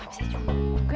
gak bisa juga